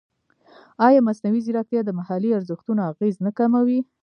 ایا مصنوعي ځیرکتیا د محلي ارزښتونو اغېز نه کموي؟